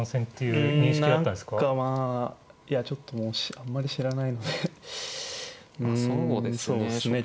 うん何かまあいやちょっともうあんまり知らないのでうんそうですね